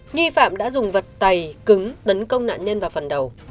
nghi phạm đã dùng vật tày cứng tấn công nạn nhân vào phần đầu